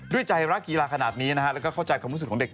ด้วยใจรักกีฬาขนาดนี้นะฮะแล้วก็เข้าใจความรู้สึกของเด็ก